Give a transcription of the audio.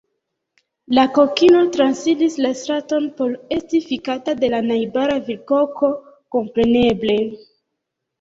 La kokino transiris la straton por esti fikata de la najbara virkoko, kompreneble.